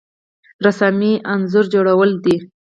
رسامي انځور جوړول دي